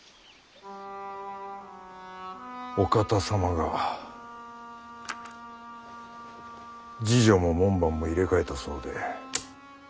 お方様が侍女も門番も入れ替えたそうで。